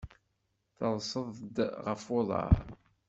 Terseḍ-d ɣef uḍar?